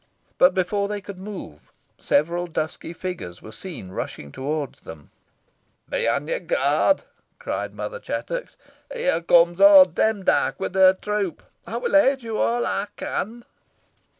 But before they could move, several dusky figures were seen rushing towards them. "Be on your guard!" cried Mother Chattox; "here comes old Demdike with her troop. I will aid you all I can."